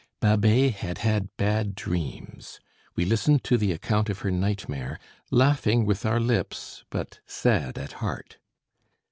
Babet had had bad dreams. We listened to the account of her nightmare, laughing with our lips but sad at heart.